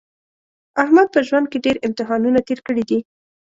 احمد په ژوند کې ډېر امتحانونه تېر کړي دي.